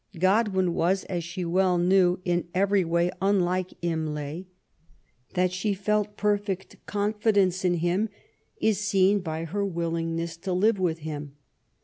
Godwin was, as she well knew, in every way unlike Imlay. That she felt perfect con* fidence in him is seen by her willingness to live with him.